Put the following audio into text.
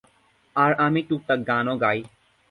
আর আমি টুকটাক গানও গাই।